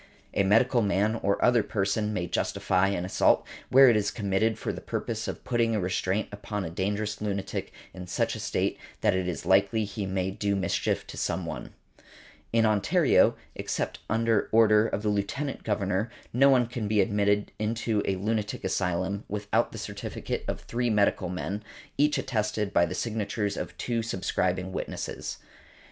A medical man or other person may justify an assault where it is committed for the purpose of putting a restraint upon a dangerous lunatic in such a state that it is likely he may do mischief to some one . In Ontario, except under order of the Lieutenant Governor, no one can be admitted into a lunatic asylum without the certificate of three medical men, each attested by the signatures of two subscribing witnesses.